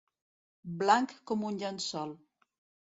Blanc com un llençol.